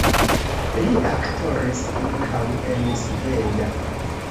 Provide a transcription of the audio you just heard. Li aktoris ankaŭ en sveda.